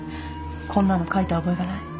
こんなの書いた覚えがない。